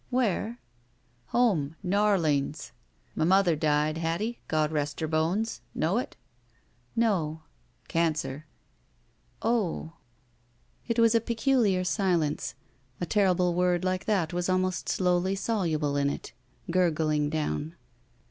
"Where?" "Home. N'Orleans. M' mother died, Hattie, God rest her bones. Know it?" "No." "Cancer." It was a peculiar silence. A terrible word like that was almost slowly soluble in it. Gurgbng down.